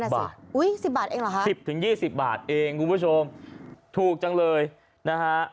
๑๐บาทเองเหรอคะ๑๐๒๐บาทเองคุณผู้ชมถูกจังเลยนะฮะ